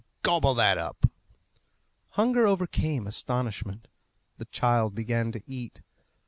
"Gobble that up." Hunger overcame astonishment. The child began to eat.